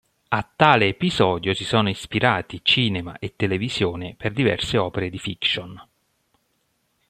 A tale episodio si sono ispirati cinema e televisione per diverse opere di "fiction".